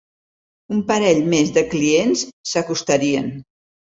Un parell més de clients s'acostarien.